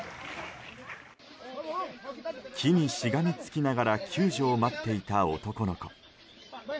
木にしがみつきながら救助を待っていた男の子。